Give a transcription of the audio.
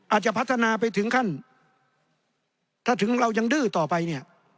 อาจจะพัฒนาไปถึงขั้นถ้าถึงเรายังดื้อต่อไปเนี่ย